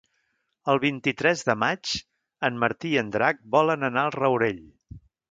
El vint-i-tres de maig en Martí i en Drac volen anar al Rourell.